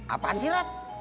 apaan sih rat